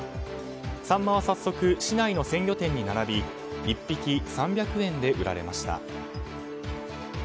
サンマは早速市内の鮮魚店に並び１匹３００円で売られました。